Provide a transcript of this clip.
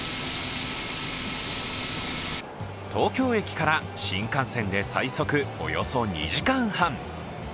東京駅から新幹線で最速およそ２時間半。